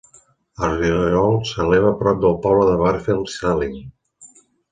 El rierol s'eleva prop del poble de Bardfield Saling.